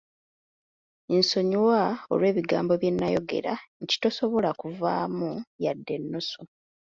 Nsonyiwa olw'ebigambo bye nnayogera nti tosobola kuvaamu yadde ennusu.